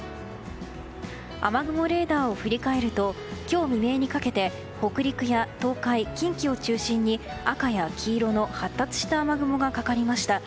雨雲レーダーを振り返ると今日未明にかけて北陸や東海・近畿を中心に赤や黄色の発達した雨雲がかかりました。